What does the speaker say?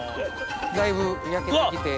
だいぶ焼けて来て。